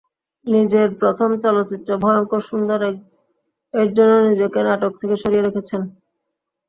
নিজের প্রথম চলচ্চিত্র ভয়ংকর সুন্দর-এর জন্য নিজেকে নাটক থেকে সরিয়ে রেখেছেন।